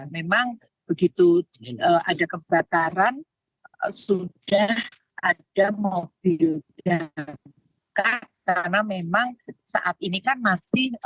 memang begitu ada kebakaran sudah ada mobil yang buka karena memang saat ini kan masih